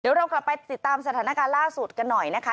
เดี๋ยวเรากลับไปติดตามสถานการณ์ล่าสุดกันหน่อยนะคะ